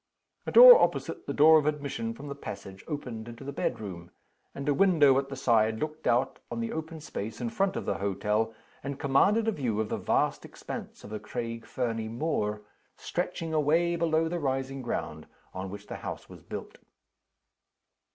A door opposite the door of admission from the passage opened into the bedroom; and a window at the side looked out on the open space in front of the hotel, and commanded a view of the vast expanse of the Craig Fernie moor, stretching away below the rising ground on which the house was built.